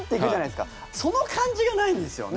その感じがないんですよね。